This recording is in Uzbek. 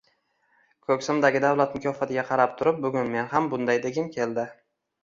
Koʻksimdagi davlat mukofotiga qarab turib bugun men ham bunday degim keldi.